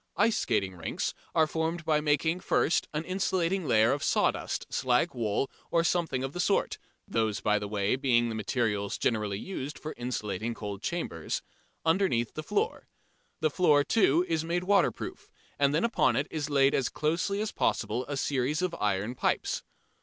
Ice skating rinks are formed by making, first, an insulating layer of sawdust, slag wool or something of that sort (those by the way, being the materials generally used for insulating cold chambers) underneath the floor. The floor, too, is made waterproof and then upon it is laid as closely as possible a series of iron pipes.